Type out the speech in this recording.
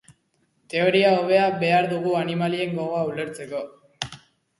Teoria hobea behar dugu animalien gogoa ulertzeko.